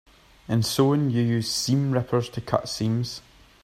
In sewing, you use seam rippers to cut seams.